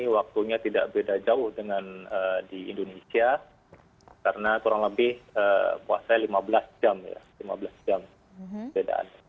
waktunya tidak beda jauh dengan di indonesia karena kurang lebih puasanya lima belas jam ya lima belas jam bedaan